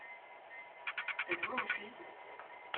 Êtes-vous une fille ?